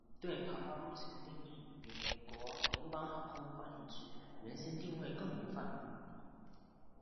对跑道入侵的定义比美国联邦航空管理局原先的定义更为宽泛。